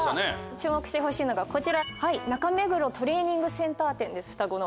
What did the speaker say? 注目してほしいのがこちら中目黒トレーニングセンター店ですふたごの。